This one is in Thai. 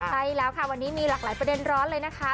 ใช่แล้วค่ะวันนี้มีหลากหลายประเด็นร้อนเลยนะคะ